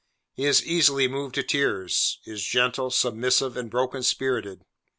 He is easily moved to tears; is gentle, submissive, and broken spirited.